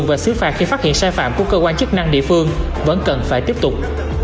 vẫn cần phải tiếp tục